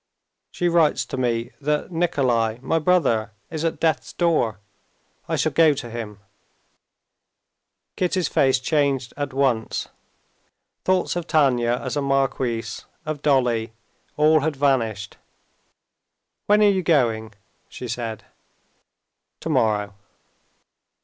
"She writes to me that Nikolay, my brother, is at death's door. I shall go to him." Kitty's face changed at once. Thoughts of Tanya as a marquise, of Dolly, all had vanished. "When are you going?" she said. "Tomorrow."